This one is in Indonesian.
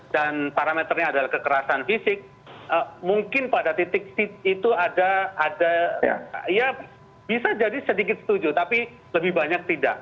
dan parameternya adalah kekerasan fisik mungkin pada titik itu ada ya bisa jadi sedikit setuju tapi lebih banyak tidak